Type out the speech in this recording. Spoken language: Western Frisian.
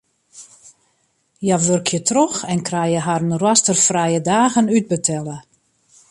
Hja wurkje troch en krije harren roasterfrije dagen útbetelle.